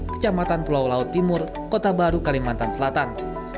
kecamatan pulau laut timur kota baru kalimantan selatan